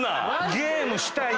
ゲームしたいねん。